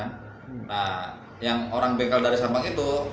nah yang orang bengkel dari sampang itu